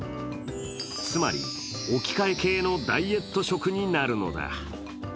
つまり、置き換え系のダイエット食になるのだ。